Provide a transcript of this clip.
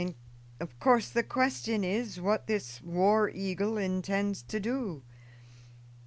In course the question is what this War Eagle intends to do.